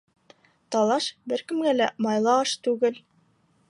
Талаш бер кемгә лә майлы аш түгел.